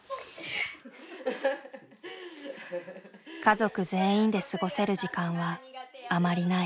家族全員で過ごせる時間はあまりない。